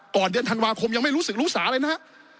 เดือนธันวาคมยังไม่รู้สึกรู้สาอะไรนะฮะ